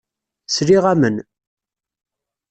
Sliɣ-am-n.